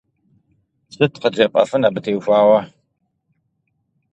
Сыт къыджепӀэфын абы теухуауэ?